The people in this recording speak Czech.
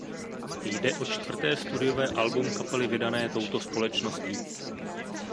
Jde o čtvrté studiové album kapely vydané touto společností.